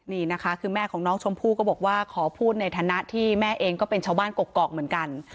นี่นะคะคือแม่ของน้องชมพู่ก็บอกว่าขอพูดในฐานะที่แม่เองก็เป็นชาวบ้านกกอกเหมือนกัน